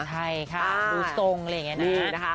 ใช่ค่ะดูตรงเลยอย่างนี้นะคะ